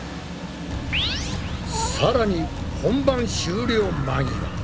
さらに本番終了間際。